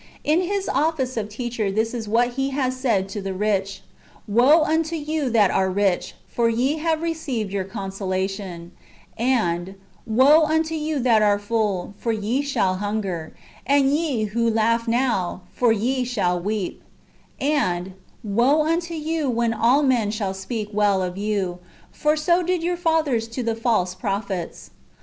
And in His office of teacher this is what He has said to the rich :" AYoe unto you that are rich, for ye have received your consolation ;"^ and, " Woe unto you that are full, for ye shall hunger ; and ye who laugh now, for ye shall weep ;" and, " Woe unto you when all men shall speak well of you : for so did your fathers to the false prophets."